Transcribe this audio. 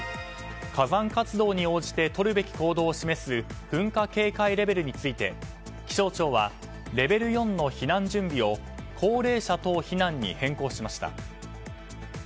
火山活動に応じてとるべき行動を示す噴火警戒レベルについて気象庁はレベル４の避難準備を高齢者等避難に変更しました。